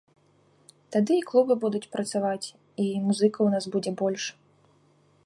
Тады і клубы будуць працаваць, і музыкаў у нас будзе больш.